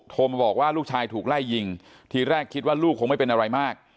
โทรมาบอกว่าลูกชายถูกไล่ยิงทีแรกคิดว่าลูกคงไม่เป็นอะไรมาก